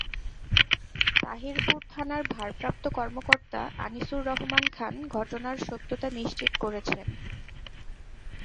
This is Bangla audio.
তাহিরপুর থানার ভারপ্রাপ্ত কর্মকর্তা আনিসুর রহমান খান ঘটনার সত্যতা নিশ্চিত করেছেন।